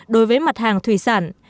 đối với mặt hàng thủy sản